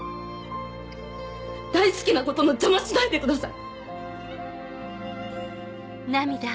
大好きなことの邪魔しないでください。